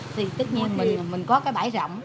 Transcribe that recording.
thì tất nhiên mình có cái bãi rộng